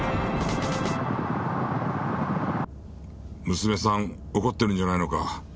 娘さん怒ってるんじゃないのか？